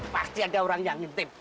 pasti ada orang yang ngintip